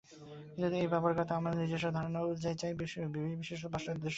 কিন্তু এই ব্যবহারিকত্ব আমাদের নিজস্ব ধারণা অনুযায়ী হওয়া চাই, বিশেষত পাশ্চাত্য দেশসমূহে।